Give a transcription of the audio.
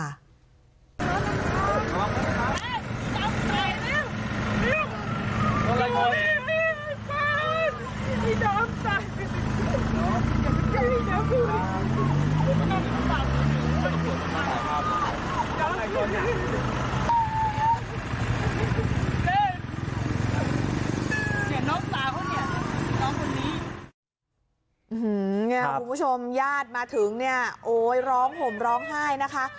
คุณผู้ชมญาติมาถึงเนี้ยโอ้โหยร้องผมร้องไห้นะคะ